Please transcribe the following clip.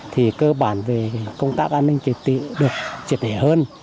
thì cơ bản về công tác an ninh kỳ tị được triệt hệ hơn